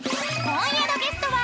［今夜のゲストは］